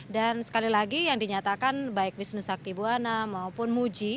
dan sekali lagi yang dinyatakan baik bisnis sakti buana maupun muji